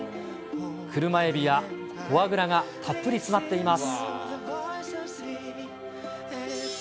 車エビやフォアグラがたっぷり詰まっています。